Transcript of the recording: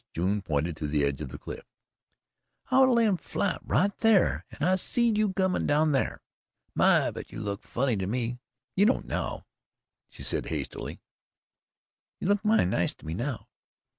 June pointed to the edge of the cliff. "I was a layin' flat right thar and I seed you comin' down thar. My, but you looked funny to me! You don't now," she added hastily. "You look mighty nice to me now